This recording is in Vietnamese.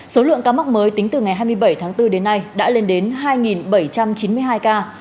số lượng ca mắc mới tính từ ngày hai mươi bảy tháng bốn đến nay đã lên đến hai bảy trăm chín mươi hai ca